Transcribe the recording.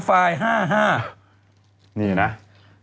นี่นะ